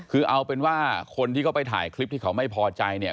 คือเอาเป็นว่าคนที่เขาไปถ่ายคลิปที่เขาไม่พอใจเนี่ย